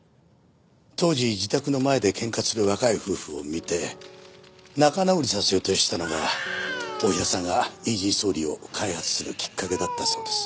当時自宅の前で喧嘩する若い夫婦を見て仲直りさせようとしたのが太平さんがイージーソーリーを開発するきっかけだったそうです。